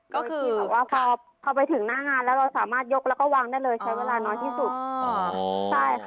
ก็คือแบบว่าพอไปถึงหน้างานแล้วเราสามารถยกแล้วก็วางได้เลยใช้เวลาน้อยที่สุดใช่ค่ะ